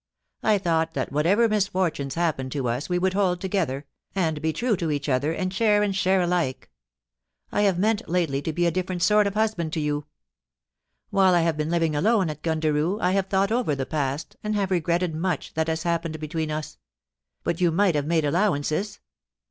... I thought that whatever misfor tunes happened to us we would hold together, and be true to each other, and share and share alike. I have meant lately to be a different sort of husband to you. While I have been living alone at Gundaroo I have thought over the past and have regretted much that has happened between us ... but you might have made allowances.